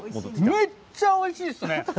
めっちゃおいしいです！